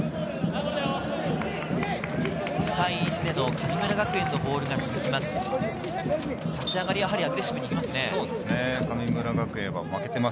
深い位置での神村学園のボールが続きます。